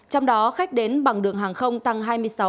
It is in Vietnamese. trong đó khách đến bằng đường hàng không tăng hai mươi sáu